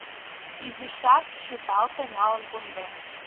Изишак чыталте, налын кондем.